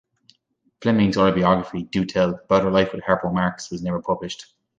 Fleming's autobiography, "Do Tell", about her life with Harpo Marx, was never published.